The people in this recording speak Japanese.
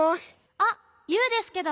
あっユウですけど。